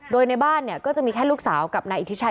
โดยในบ้านเนี่ยก็จะมีแค่ลูกสาวกับนายอิทธิชัย